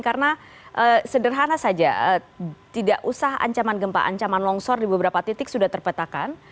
karena sederhana saja tidak usah ancaman gempa ancaman longsor di beberapa titik sudah terpetakan